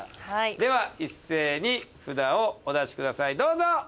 では一斉に札をお出しくださいどうぞ！